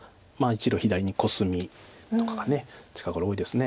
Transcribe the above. １路左にコスミとかが近頃多いです。